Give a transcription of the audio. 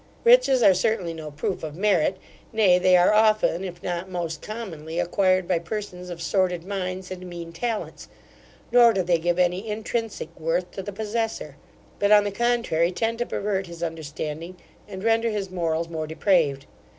Riches are certainly no proof of merit: nay they are often (if not most commonly) acquired by persons of sordid minds and mean talents: nor do they give any intrinsic worth to the possessor; but, on the contrary, tend to pervert his understanding, and render his morals more depraved.